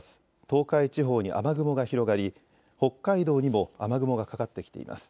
東海地方に雨雲が広がり北海道にも雨雲がかかってきています。